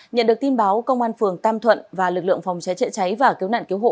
nhận được tin báo công an phường tam thuận và lực lượng phòng cháy chữa cháy và cứu nạn cứu hộ